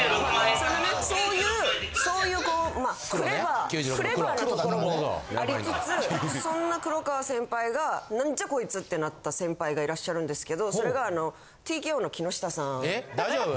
そういうそういうクレバーなところもありつつそんな黒川先輩がなんじゃこいつってなった先輩がいらっしゃるんですけどそれがあのＴＫＯの木下さん。